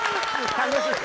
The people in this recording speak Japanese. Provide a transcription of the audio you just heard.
楽しい。